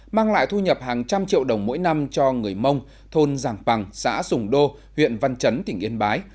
mang lại thu nhập hàng trăm triệu đồng mỗi năm cho người mông thôn giàng bằng xã sùng đô huyện văn chấn tỉnh yên bái